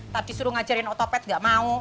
tadi disuruh ngajarin otopet gak mau